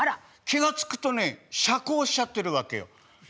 気が付くとね斜行しちゃってるわけよ。